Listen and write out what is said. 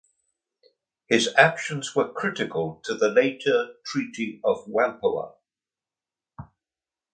His actions were critical to the later Treaty of Whampoa.